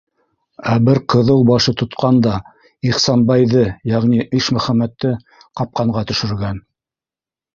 Ә бер ҡыҙыу башы тотҡан да Ихсанбайҙы, йәғни Ишмөхәмәтте, «Ҡапҡан»ға төшөргән...